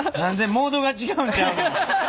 モードが違うんちゃうの？